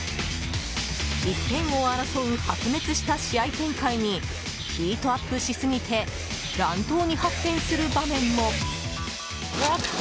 １点を争う白熱した試合展開にヒートアップしすぎて乱闘に発展する場面も。